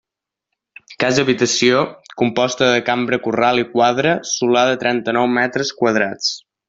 Casa habitació, composta de cambra corral i quadra, solar de trenta-nou metres quadrats.